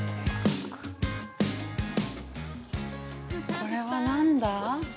◆これは何だ？